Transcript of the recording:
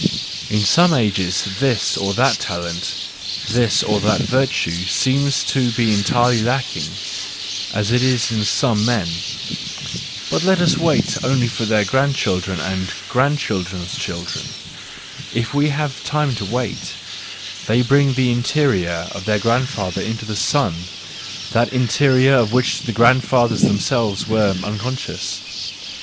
In some ages this or that talent, this or that virtue seems to be entirely lacking, as it is in some men; but let us wait only for the grandchildren and grandchildren's children, if we have time to wait,—they bring the interior of their grandfathers into the sun, that interior of which the grandfathers themselves were unconscious.